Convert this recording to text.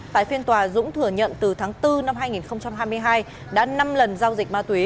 tại phiên tòa dũng thừa nhận từ tháng bốn năm hai nghìn hai mươi hai đã năm lần giao dịch ma túy